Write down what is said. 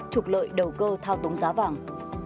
trục lợi đầu cơ thao túng giá vàng